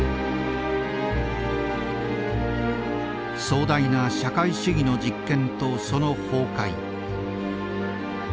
壮大な社会主義の実験とその崩壊。